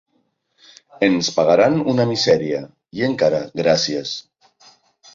Ens pagaran una misèria i encara gràcies!